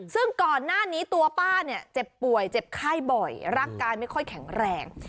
ซึ่งก่อนหน้านี้ตัวป้าเนี่ยเจ็บป่วยเจ็บไข้บ่อยร่างกายไม่ค่อยแข็งแรง